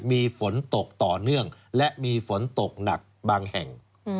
มีฝนตกต่อเนื่องและมีฝนตกหนักบางแห่ง